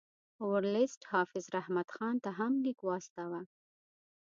ورلسټ حافظ رحمت خان ته هم لیک واستاوه.